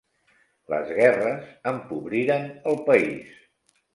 Les guerres empobriren el país.